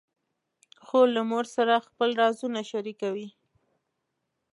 خور له مور سره خپل رازونه شریکوي.